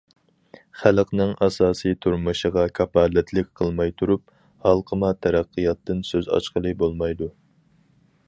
خەلقنىڭ ئاساسىي تۇرمۇشىغا كاپالەتلىك قىلماي تۇرۇپ، ھالقىما تەرەققىياتتىن سۆز ئاچقىلى بولمايدۇ.